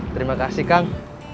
terima kasih kang